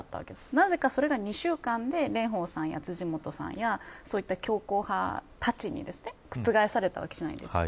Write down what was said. なぜか、それが２週間で蓮舫さんや辻元さん強硬派たちに覆されたわけじゃないですか。